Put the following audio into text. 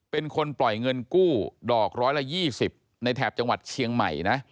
เป็นคนปล่อยเงินกู้ดอกร้อยละ๒๐ในแถบจังหวัดเชียงใหม่นะ